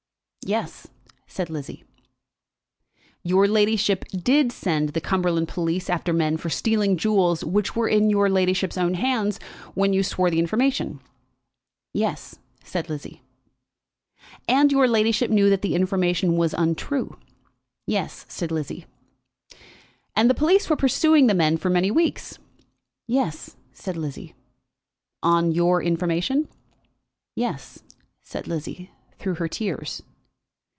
"Yes," said Lizzie. "Your ladyship did send the Cumberland police after men for stealing jewels which were in your ladyship's own hands when you swore the information?" "Yes," said Lizzie. "And your ladyship knew that the information was untrue?" "Yes," said Lizzie. "And the police were pursuing the men for many weeks?" "Yes," said Lizzie. "On your information?" "Yes," said Lizzie, through her tears.